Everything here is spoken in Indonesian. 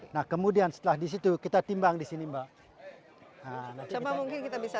nah kemudian setelah disitu kita timbang disini mbak